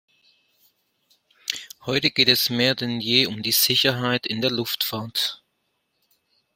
Heute geht es mehr denn je um die Sicherheit in der Luftfahrt.